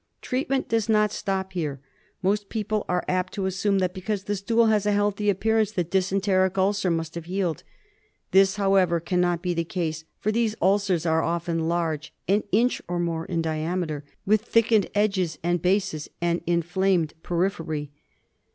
Treatment does not stop here. Most people are apt to assume that because the stool has a healthy appearance the dysenteric ulcer must have healed. This, however, cannot be the case, for these ulcers are often large, an inch or more in diameter, with thickened edges and bases and inflamed periphery.